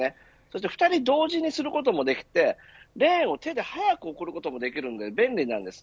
２人同時にすることもできてレーンを手で速く送ることができるので便利です。